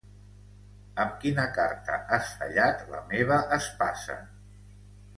Amb quina carta has fallat la meva espasa?